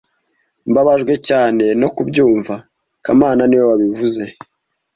Mbabajwe cyane no kubyumva kamana niwe wabivuze